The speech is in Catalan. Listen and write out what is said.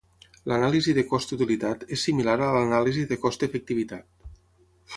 L'anàlisi de cost-utilitat és similar a l'anàlisi de cost-efectivitat.